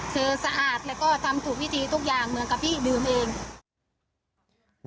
คือสะอาดแล้วก็ทำถูกวิธีทุกอย่างเหมือนกับพี่ดื่มเอง